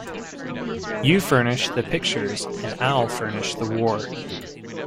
You furnish the pictures and I'll furnish the war.